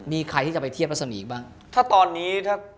มีใครที่จะไปเทียบมันสำหรับนี้บ้าง